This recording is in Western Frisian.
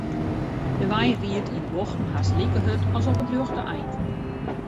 De wein ried yn 'e bochten hast like hurd as op it rjochte ein.